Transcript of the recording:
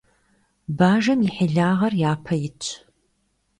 Бажэм и хьилагъэр япэ итщ.